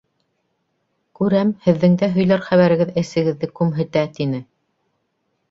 Күрәм: һеҙҙең дә һөйләр хәбәрегеҙ әсегеҙҙе күмһетә, - тине.